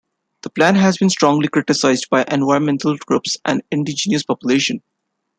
The plan has been strongly criticized by environmental groups and indigenous populations.